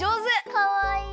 かわいい。